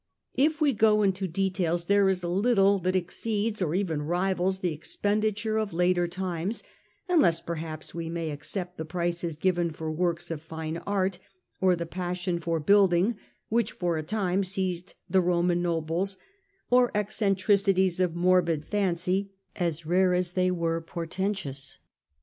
For if we go into details there is little that exceeds or even rivals the expenditure of later times, unless, perhaps, we may except the prices given for works of fine art, or the passion for building, which, for a time, seized the Roman nobles, or eccentricities of morbid fancy as rare as they were portentous.